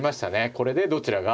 これでどちらが。